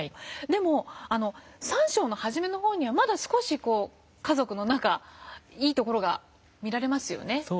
でも３章の初めの方にはまだ少し家族の仲いいところが見られますよね。